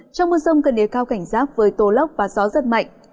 trong mưa rông cần đề cao cảnh giáp với tối lốc và gió rất mạnh